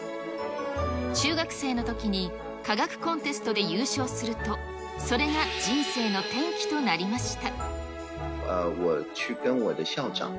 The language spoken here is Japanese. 中学生のときに科学コンテストで優勝すると、それが人生の転機となりました。